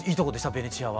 ベネチアは。